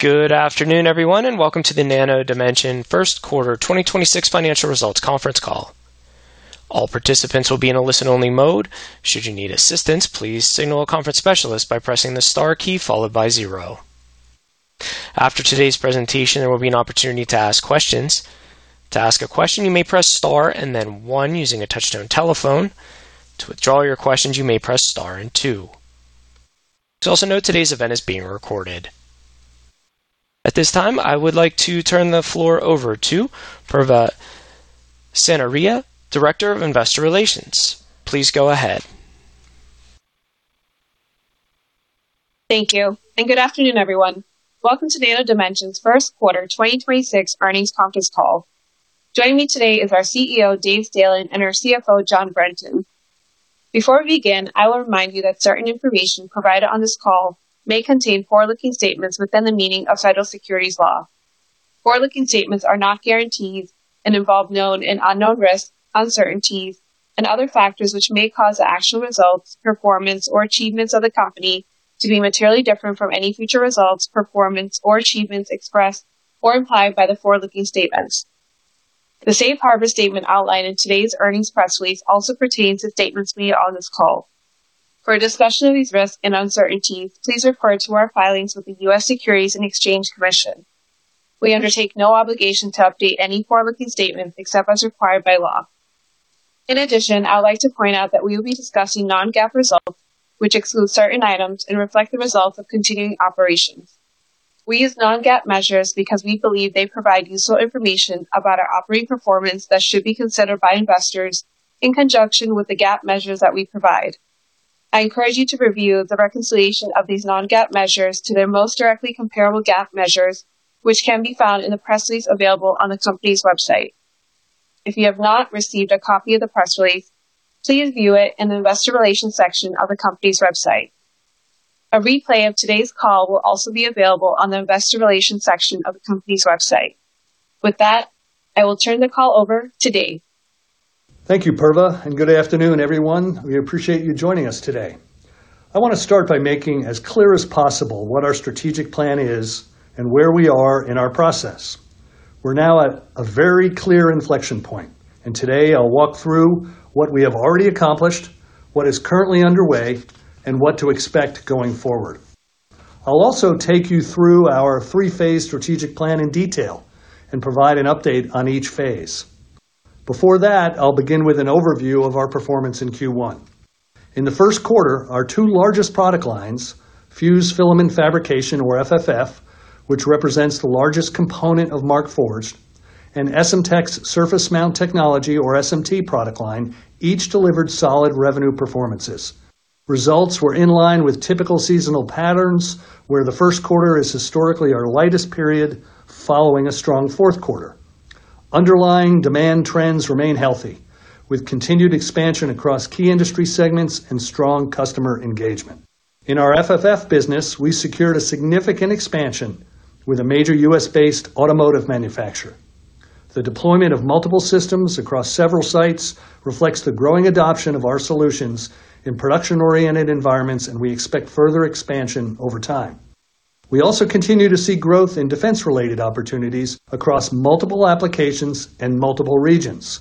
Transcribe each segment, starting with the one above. Good afternoon, everyone, and welcome to the Nano Dimension first quarter 2026 financial results conference call. All participants will be in a listen-only mode. Should you need assistance, please signal a conference specialist by pressing the star key followed by zero. After today's presentation, there will be an opportunity to ask questions. To ask a question, you may press star and then one using a touch-tone telephone. To withdraw your questions, you may press star and two. To also note, today's event is being recorded. At this time, I would like to turn the floor over to Purva Sanariya, Director of Investor Relations. Please go ahead. Thank you, and good afternoon, everyone. Welcome to Nano Dimension's first quarter 2026 earnings conference call. Joining me today is our CEO, Dave Stehlin, and our CFO, John Brenton. Before we begin, I will remind you that certain information provided on this call may contain forward-looking statements within the meaning of federal securities law. Forward-looking statements are not guarantees and involve known and unknown risks, uncertainties, and other factors which may cause the actual results, performance, or achievements of the company to be materially different from any future results, performance, or achievements expressed or implied by the forward-looking statements. The safe harbor statement outlined in today's earnings press release also pertains to statements made on this call. For a discussion of these risks and uncertainties, please refer to our filings with the U.S. Securities and Exchange Commission. We undertake no obligation to update any forward-looking statements except as required by law. In addition, I would like to point out that we will be discussing non-GAAP results, which exclude certain items and reflect the results of continuing operations. We use non-GAAP measures because we believe they provide useful information about our operating performance that should be considered by investors in conjunction with the GAAP measures that we provide. I encourage you to review the reconciliation of these non-GAAP measures to their most directly comparable GAAP measures, which can be found in the press release available on the company's website. If you have not received a copy of the press release, please view it in the investor relations section of the company's website. A replay of today's call will also be available on the investor relations section of the company's website. With that, I will turn the call over to Dave. Thank you, Purva. Good afternoon, everyone. We appreciate you joining us today. I want to start by making as clear as possible what our strategic plan is and where we are in our process. We're now at a very clear inflection point. Today I'll walk through what we have already accomplished, what is currently underway, and what to expect going forward. I'll also take you through our three-phase strategic plan in detail and provide an update on each phase. Before that, I'll begin with an overview of our performance in Q1. In the first quarter, our two largest product lines, Fused Filament Fabrication, or FFF, which represents the largest component of Markforged, and Essemtec's Surface Mount Technology, or SMT product line, each delivered solid revenue performances. Results were in line with typical seasonal patterns, where the first quarter is historically our lightest period following a strong fourth quarter. Underlying demand trends remain healthy, with continued expansion across key industry segments and strong customer engagement. In our FFF business, we secured a significant expansion with a major U.S.-based automotive manufacturer. The deployment of multiple systems across several sites reflects the growing adoption of our solutions in production-oriented environments, and we expect further expansion over time. We also continue to see growth in defense-related opportunities across multiple applications and multiple regions,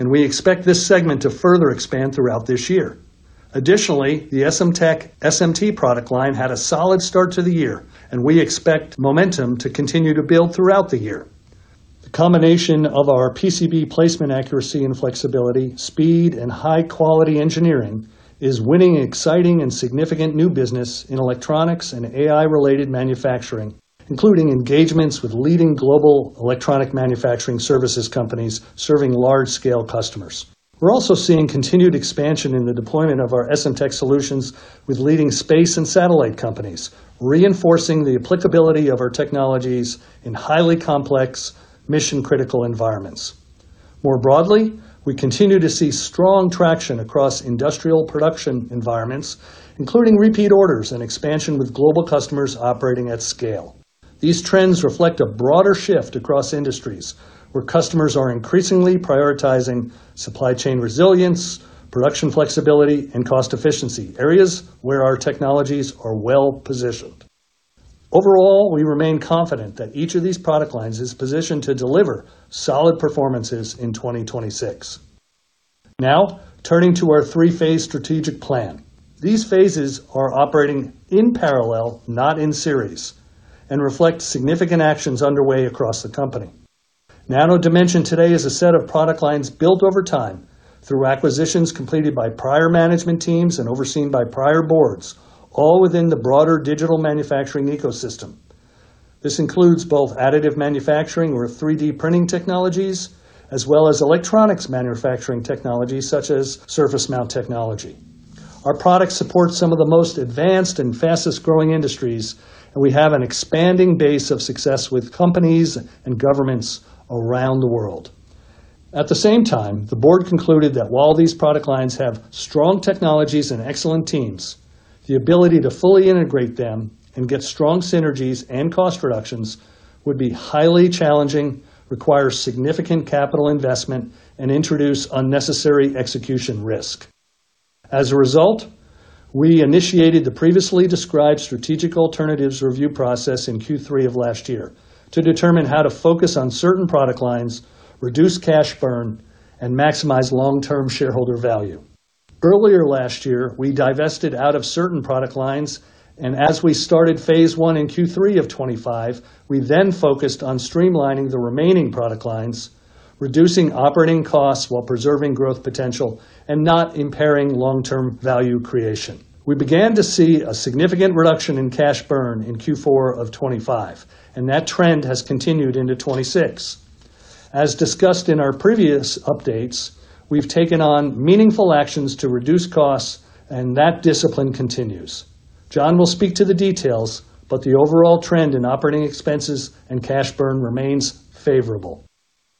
and we expect this segment to further expand throughout this year. Additionally, the Essemtec SMT product line had a solid start to the year, and we expect momentum to continue to build throughout the year. The combination of our PCB placement accuracy and flexibility, speed, and high-quality engineering is winning exciting and significant new business in electronics and AI-related manufacturing, including engagements with leading global electronic manufacturing services companies serving large-scale customers. We're also seeing continued expansion in the deployment of our Essemtec solutions with leading space and satellite companies, reinforcing the applicability of our technologies in highly complex mission-critical environments. More broadly, we continue to see strong traction across industrial production environments, including repeat orders and expansion with global customers operating at scale. These trends reflect a broader shift across industries where customers are increasingly prioritizing supply chain resilience, production flexibility, and cost efficiency, areas where our technologies are well-positioned. Overall, we remain confident that each of these product lines is positioned to deliver solid performances in 2026. Now, turning to our three-phase strategic plan. These phases are operating in parallel, not in series, and reflect significant actions underway across the company. Nano Dimension today is a set of product lines built over time through acquisitions completed by prior management teams and overseen by prior boards, all within the broader digital manufacturing ecosystem. This includes both additive manufacturing or 3D printing technologies, as well as electronics manufacturing technologies such as Surface Mount Technology. Our products support some of the most advanced and fastest-growing industries, and we have an expanding base of success with companies and governments around the world. At the same time, the board concluded that while these product lines have strong technologies and excellent teams, the ability to fully integrate them and get strong synergies and cost reductions would be highly challenging, require significant capital investment, and introduce unnecessary execution risk. As a result, we initiated the previously described strategic alternatives review process in Q3 of last year to determine how to focus on certain product lines, reduce cash burn, and maximize long-term shareholder value. Earlier last year, we divested out of certain product lines, and as we started Phase 1 in Q3 of 2025, we then focused on streamlining the remaining product lines, reducing operating costs while preserving growth potential and not impairing long-term value creation. We began to see a significant reduction in cash burn in Q4 of 2025, and that trend has continued into 2026. As discussed in our previous updates, we've taken on meaningful actions to reduce costs, and that discipline continues. John will speak to the details, but the overall trend in operating expenses and cash burn remains favorable.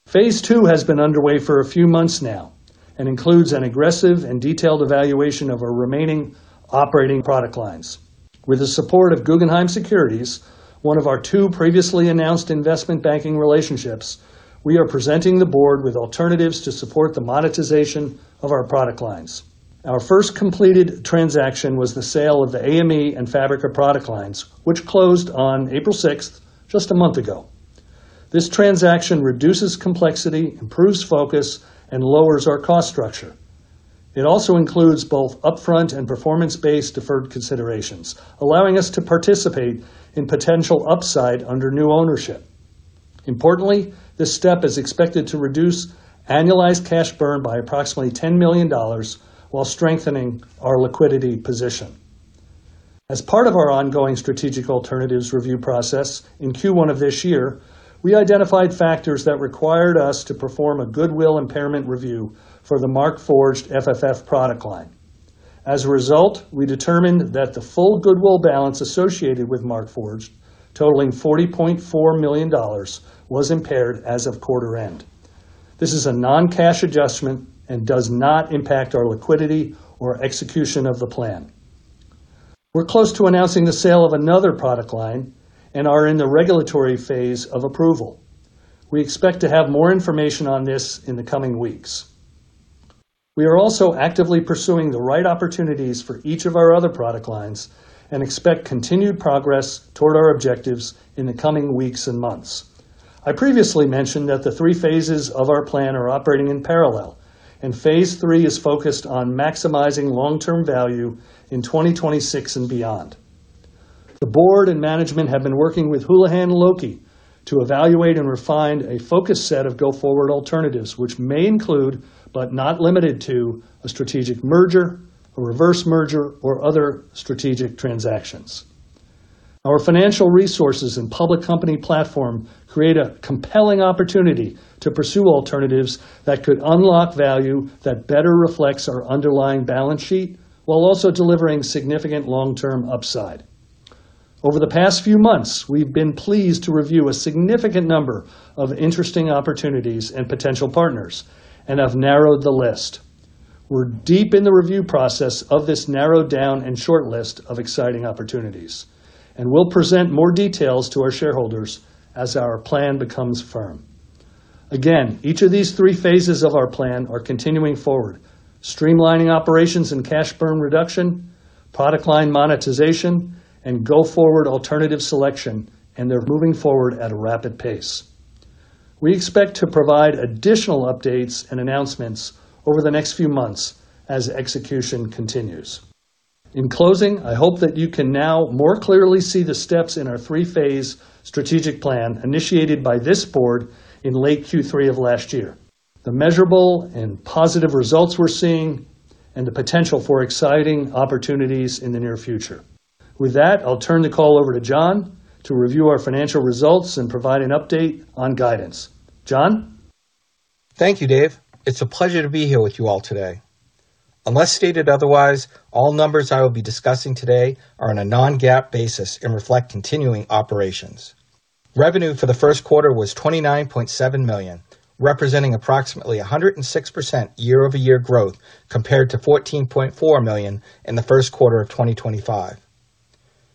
Phase 2 has been underway for a few months now and includes an aggressive and detailed evaluation of our remaining operating product lines. With the support of Guggenheim Securities, one of our two previously announced investment banking relationships, we are presenting the board with alternatives to support the monetization of our product lines. Our first completed transaction was the sale of the AME and Fabrica product lines, which closed on April 6th, just a month ago. This transaction reduces complexity, improves focus, and lowers our cost structure. It also includes both upfront and performance-based deferred considerations, allowing us to participate in potential upside under new ownership. Importantly, this step is expected to reduce annualized cash burn by approximately $10 million while strengthening our liquidity position. As part of our ongoing strategic alternatives review process in Q1 of this year, we identified factors that required us to perform a goodwill impairment review for the Markforged FFF product line. As a result, we determined that the full goodwill balance associated with Markforged, totaling $40.4 million, was impaired as of quarter end. This is a non-cash adjustment and does not impact our liquidity or execution of the plan. We're close to announcing the sale of another product line and are in the regulatory phase of approval. We expect to have more information on this in the coming weeks. We are also actively pursuing the right opportunities for each of our other product lines and expect continued progress toward our objectives in the coming weeks and months. I previously mentioned that the three phases of our plan are operating in parallel, and Phase 3 is focused on maximizing long-term value in 2026 and beyond. The board and management have been working with Houlihan Lokey to evaluate and refine a focused set of go-forward alternatives, which may include, but not limited to, a strategic merger, a reverse merger, or other strategic transactions. Our financial resources and public company platform create a compelling opportunity to pursue alternatives that could unlock value that better reflects our underlying balance sheet while also delivering significant long-term upside. Over the past few months, we've been pleased to review a significant number of interesting opportunities and potential partners and have narrowed the list. We're deep in the review process of this narrowed down and short list of exciting opportunities, and we'll present more details to our shareholders as our plan becomes firm. Again, each of these three phases of our plan are continuing forward, streamlining operations and cash burn reduction, product line monetization, and go-forward alternative selection, and they're moving forward at a rapid pace. We expect to provide additional updates and announcements over the next few months as execution continues. In closing, I hope that you can now more clearly see the steps in our three-phase strategic plan initiated by this board in late Q3 of last year, the measurable and positive results we're seeing, and the potential for exciting opportunities in the near future. With that, I'll turn the call over to John to review our financial results and provide an update on guidance. John? Thank you, Dave. It's a pleasure to be here with you all today. Unless stated otherwise, all numbers I will be discussing today are on a non-GAAP basis and reflect continuing operations. Revenue for the first quarter was $29.7 million, representing approximately 106% year-over-year growth compared to $14.4 million in the first quarter of 2025.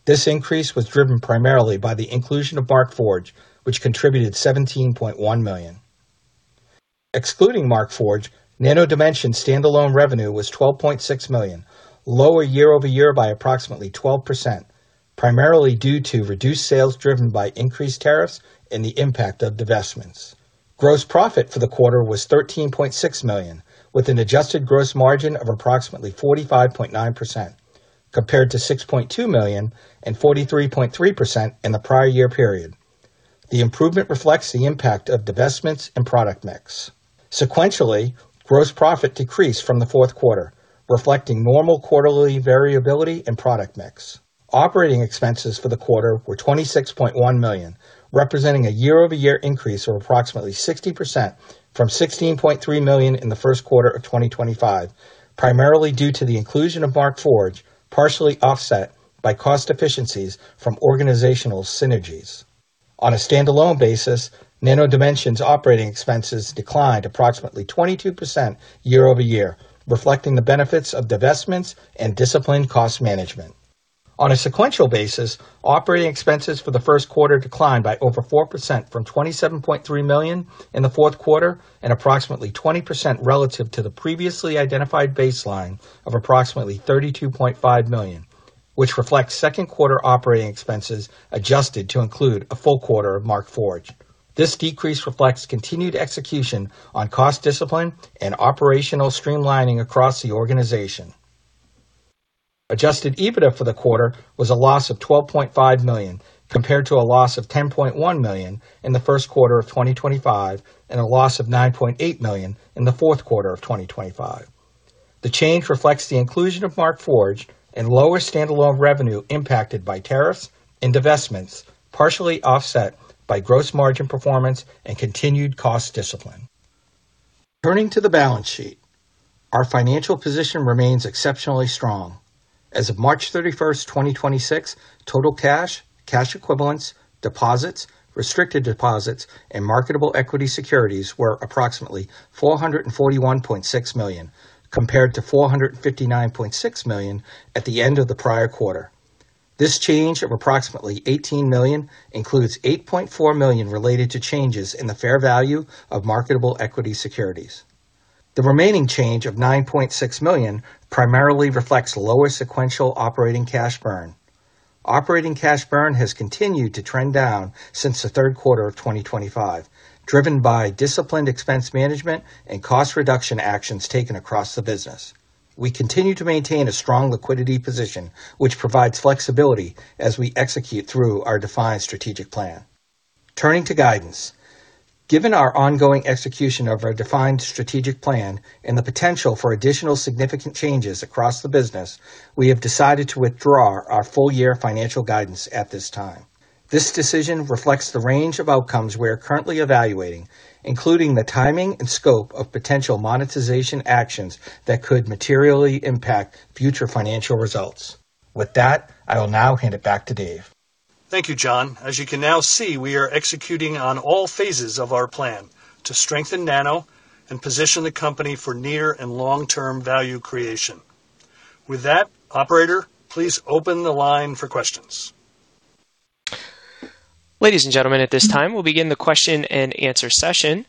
This increase was driven primarily by the inclusion of Markforged, which contributed $17.1 million. Excluding Markforged, Nano Dimension's standalone revenue was $12.6 million, lower year-over-year by approximately 12%, primarily due to reduced sales driven by increased tariffs and the impact of divestments. Gross profit for the quarter was $13.6 million, with an adjusted gross margin of approximately 45.9%, compared to $6.2 million and 43.3% in the prior year period. The improvement reflects the impact of divestments and product mix. Sequentially, gross profit decreased from the fourth quarter, reflecting normal quarterly variability and product mix. Operating expenses for the quarter were $26.1 million, representing a year-over-year increase of approximately 60% from $16.3 million in the first quarter of 2025, primarily due to the inclusion of Markforged, partially offset by cost efficiencies from organizational synergies. On a standalone basis, Nano Dimension's operating expenses declined approximately 22% year-over-year, reflecting the benefits of divestments and disciplined cost management. On a sequential basis, operating expenses for the first quarter declined by over 4% from $27.3 million in the fourth quarter, and approximately 20% relative to the previously identified baseline of approximately $32.5 million, which reflects second quarter operating expenses adjusted to include a full quarter of Markforged. This decrease reflects continued execution on cost discipline and operational streamlining across the organization. Adjusted EBITDA for the quarter was a loss of $12.5 million, compared to a loss of $10.1 million in the first quarter of 2025, and a loss of $9.8 million in the fourth quarter of 2025. The change reflects the inclusion of Markforged and lower standalone revenue impacted by tariffs and divestments, partially offset by gross margin performance and continued cost discipline. Turning to the balance sheet, our financial position remains exceptionally strong. As of March 31st, 2026, total cash, cash equivalents, deposits, restricted deposits, and marketable equity securities were approximately $441.6 million, compared to $459.6 million at the end of the prior quarter. This change of approximately $18 million includes $8.4 million related to changes in the fair value of marketable equity securities. The remaining change of $9.6 million primarily reflects lower sequential operating cash burn. Operating cash burn has continued to trend down since the third quarter of 2025, driven by disciplined expense management and cost reduction actions taken across the business. We continue to maintain a strong liquidity position, which provides flexibility as we execute through our defined strategic plan. Turning to guidance. Given our ongoing execution of our defined strategic plan and the potential for additional significant changes across the business, we have decided to withdraw our full year financial guidance at this time. This decision reflects the range of outcomes we are currently evaluating, including the timing and scope of potential monetization actions that could materially impact future financial results. With that, I will now hand it back to Dave. Thank you, John. As you can now see, we are executing on all phases of our plan to strengthen Nano and position the company for near and long-term value creation. With that, operator, please open the line for questions. Ladies and gentlemen, at the this time, we'll begin the question-and-answer session.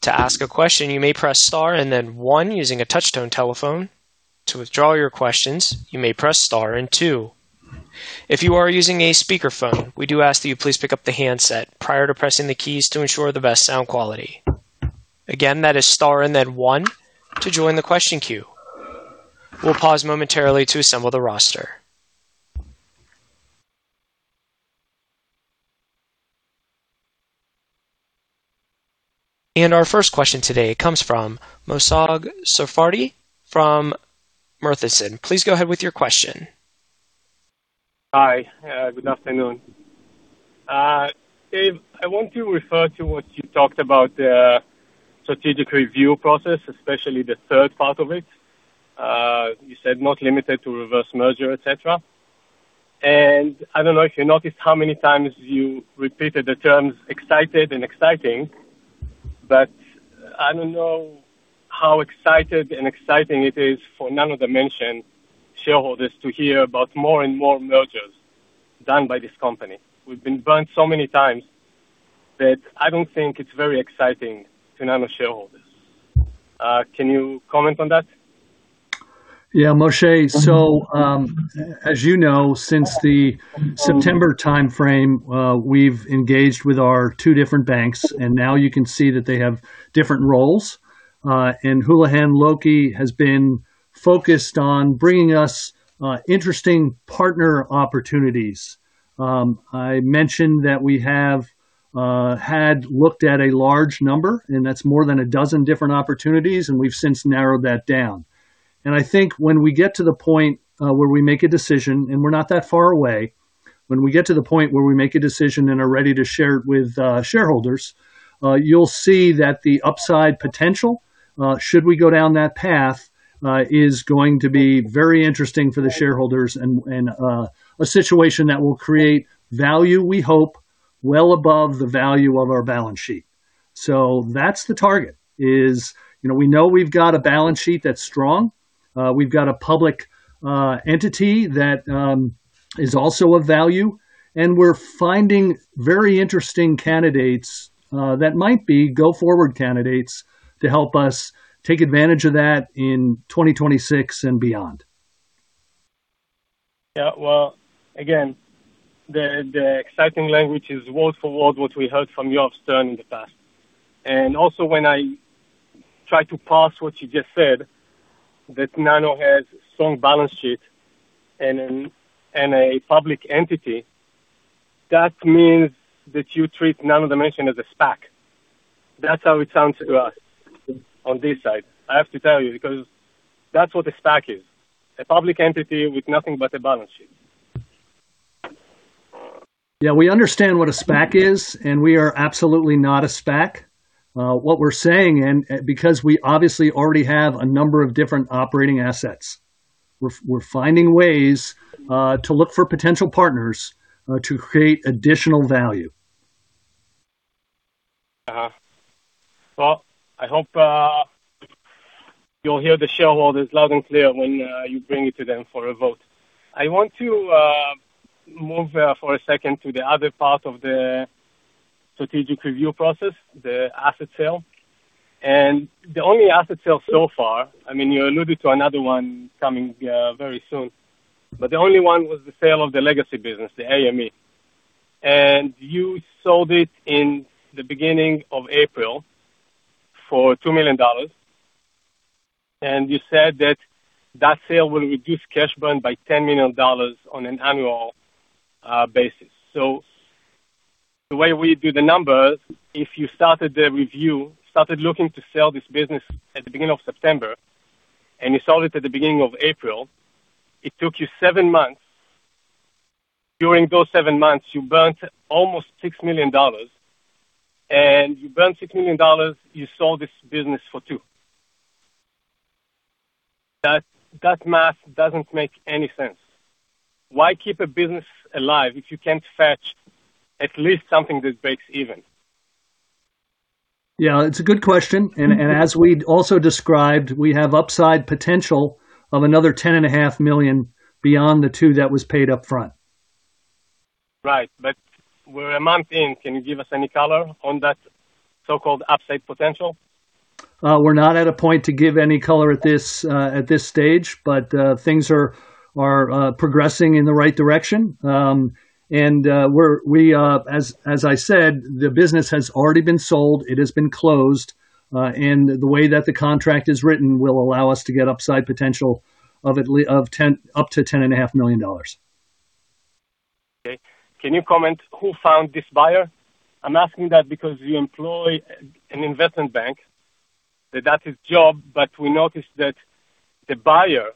To ask a question you may press star and then one using a touchtone telephone. To withdraw your questions you may press star then two. If you are using a speakerphone, we do ask that you please pick-up the handset prior to pressing the keys to ensure the best sound quality. Again that is star then one to join the question queue. We'll pause momentarily to assemble the roster. Our first question today comes from Moshe Sarfaty from Murchinson. Please go ahead with your question. Hi, good afternoon. Dave, I want to refer to what you talked about the strategic review process, especially the third part of it. You said not limited to reverse merger, et cetera. I don't know if you noticed how many times you repeated the terms excited and exciting, but I don't know how excited and exciting it is for Nano Dimension shareholders to hear about more and more mergers done by this company. We've been burned so many times that I don't think it's very exciting to Nano shareholders. Can you comment on that? Yeah, Moshe. As you know, since the September timeframe, we've engaged with our two different banks, and now you can see that they have different roles. Houlihan Lokey has been focused on bringing us interesting partner opportunities. I mentioned that we have had looked at a large number, and that's more than 12 different opportunities, and we've since narrowed that down. I think when we get to the point where we make a decision, and we're not that far away, when we get to the point where we make a decision and are ready to share it with shareholders, you'll see that the upside potential, should we go down that path, is going to be very interesting for the shareholders and a situation that will create value, we hope, well above the value of our balance sheet. That's the target, is, you know, we know we've got a balance sheet that's strong. We've got a public entity that is also of value, and we're finding very interesting candidates that might be go-forward candidates to help us take advantage of that in 2026 and beyond. Yeah. Well, again, the exciting language is word for word what we heard from Yoav Stern in the past. Also, when I try to parse what you just said, that Nano has strong balance sheet and a public entity, that means that you treat Nano Dimension as a SPAC. That's how it sounds to us on this side. I have to tell you because that's what a SPAC is, a public entity with nothing but a balance sheet. We understand what a SPAC is, and we are absolutely not a SPAC. What we're saying and because we obviously already have a number of different operating assets, we're finding ways to look for potential partners to create additional value. I hope you'll hear the shareholders loud and clear when you bring it to them for a vote. I want to move for a second to the other part of the strategic review process, the asset sale. The only asset sale so far, I mean, you alluded to another one coming very soon, but the only one was the sale of the legacy business, the AME. You sold it in the beginning of April for $2 million, and you said that that sale will reduce cash burn by $10 million on an annual basis. The way we do the numbers, if you started the review, started looking to sell this business at the beginning of September, and you sold it at the beginning of April, it took you seven months. During those seven months, you burnt almost $6 million, you sold this business for $2 million. That math doesn't make any sense. Why keep a business alive if you can't fetch at least something that breaks even? Yeah, it's a good question. As we also described, we have upside potential of another $10.5 million beyond the $2 million that was paid upfront. Right. We're a month in. Can you give us any color on that so-called upside potential? we're not at a point to give any color at this, at this stage, but things are progressing in the right direction. We, as I said, the business has already been sold. It has been closed. The way that the contract is written will allow us to get upside potential of up to $10.5 million. Okay. Can you comment who found this buyer? I'm asking that because you employ an investment bank that that's his job, we noticed that the buyer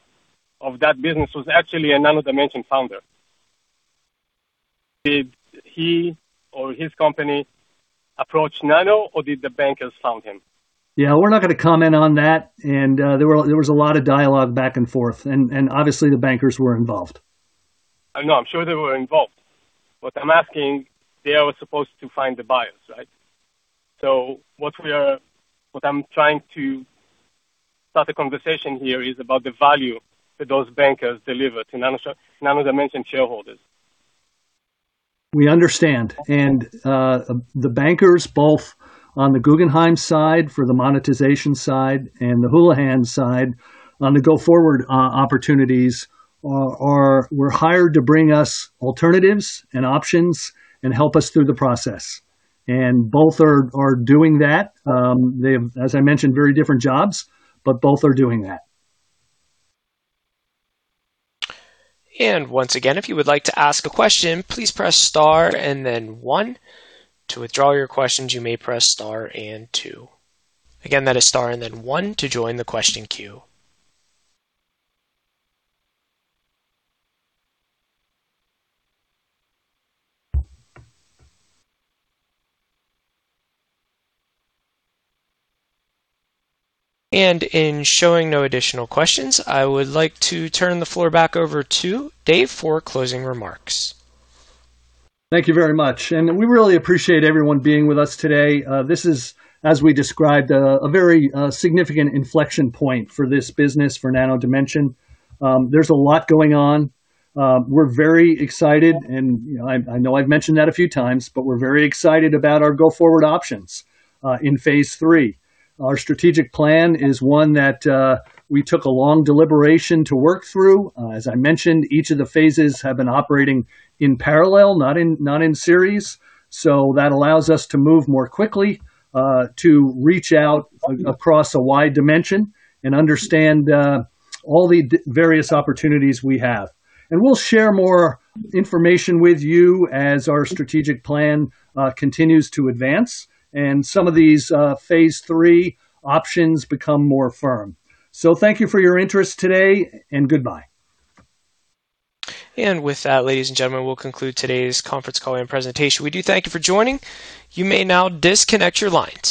of that business was actually a Nano Dimension founder. Did he or his company approach Nano or did the bankers found him? Yeah. We're not gonna comment on that. There was a lot of dialogue back and forth, and obviously the bankers were involved. I know. I'm sure they were involved. What I'm asking, they were supposed to find the buyers, right? What I'm trying to start a conversation here is about the value that those bankers delivered to Nano Dimension shareholders. We understand. The bankers, both on the Guggenheim side for the monetization side and the Houlihan side on the go-forward opportunities, were hired to bring us alternatives and options and help us through the process. Both are doing that. They have, as I mentioned, very different jobs, but both are doing that. Once again, if you would like to ask a question, please press star and then one. To withdraw your questions, you may press star and two. Again, that is star and then one to join the question queue. In showing no additional questions, I would like to turn the floor back over to Dave Stehlin for closing remarks. Thank you very much. We really appreciate everyone being with us today. This is, as we described, a very significant inflection point for this business, for Nano Dimension. There's a lot going on. We're very excited and, you know, I know I've mentioned that a few times, but we're very excited about our go-forward options in Phase 3. Our strategic plan is one that we took a long deliberation to work through. As I mentioned, each of the phases have been operating in parallel, not in series, so that allows us to move more quickly, to reach out across a wide dimension and understand all the various opportunities we have. We'll share more information with you as our strategic plan continues to advance and some of these Phase 3 options become more firm. Thank you for your interest today, and goodbye. With that, ladies and gentlemen, we'll conclude today's conference call and presentation. We do thank you for joining. You may now disconnect your lines.